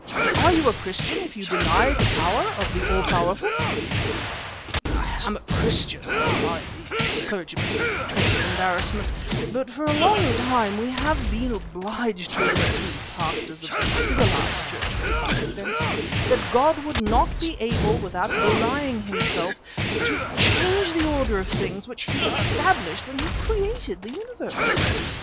Are you a Christian if you deny the power of the All powerful?" "I am a Christian," replied the clergyman with a trace of embarrassment; "but for a long time we have been obliged to admit, we pastors of the civilized Church of the Occident, that God would not be able, without belying himself, to change the order of things which he established when he created the universe.